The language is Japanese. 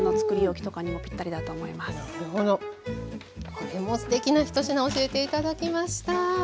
これもすてきな１品教えて頂きました。